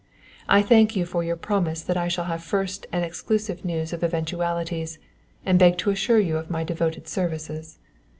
I thank you for your promise that I shall have first and exclusive news of eventualities, and beg to assure you of my devoted services.